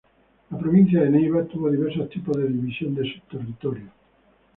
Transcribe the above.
La provincia de Neiva tuvo diversos tipos de división de su territorio.